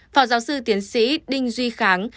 phó giáo sư tiến sĩ đinh duy khánh